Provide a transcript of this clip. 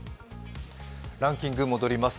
ランキングに戻ります。